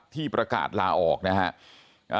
ที่ประกาศลาออกนะครับ